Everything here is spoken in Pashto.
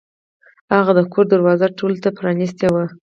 هغه د کور دروازه ټولو ته پرانیستې وه.